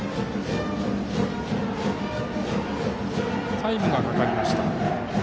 タイムがかかりました。